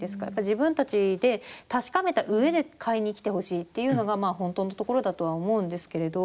自分たちで確かめたうえで買いにきてほしいっていうのが本当のところだとは思うんですけれど。